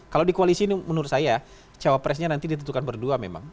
kalau di koalisi ini menurut saya cawapresnya nanti ditentukan berdua memang